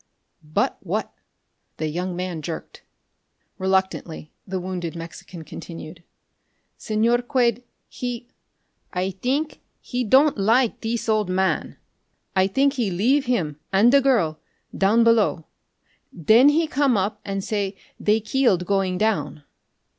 "But what?" the young man jerked. Reluctantly the wounded Mexican continued. "Señor Quade he I think he don' like thees old man. I think he leave heem an' the girl down below. Then he come up an' say they keeled going down."